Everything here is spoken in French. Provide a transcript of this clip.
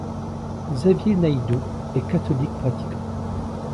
Xavier Naidoo est catholique pratiquant.